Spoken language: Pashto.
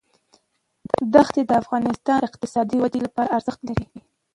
دښتې د افغانستان د اقتصادي ودې لپاره ارزښت لري.